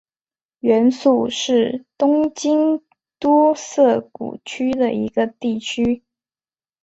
原宿是东京都涩谷区的一个地区。